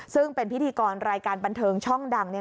ซึ่งเป็นพิธีกรรายการบันเทิงช่องดัง